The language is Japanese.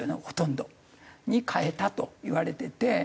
ほとんど。に変えたといわれてて。